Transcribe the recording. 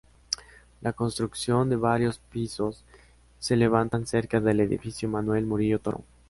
La construcción de varios pisos, se levantaba cerca del edificio Manuel Murillo Toro.